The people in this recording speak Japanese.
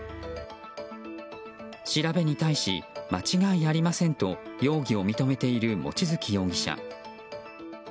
調べに対し、間違いありませんと容疑を認めている望月容疑者。